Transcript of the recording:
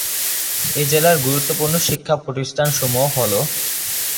এ জেলার গুরুত্বপূর্ণ শিক্ষা প্রতিষ্ঠান সমুহ হল-